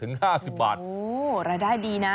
โอ้รายได้ดีนะ